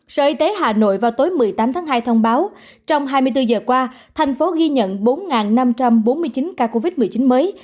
sở y tế hà nội vào tối một mươi tám tháng hai thông báo trong hai mươi bốn giờ qua thành phố ghi nhận bốn năm trăm bốn mươi chín ca covid một mươi chín mới